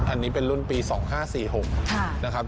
อันนี้เป็นรุ่นปี๒๕๔๖นะครับ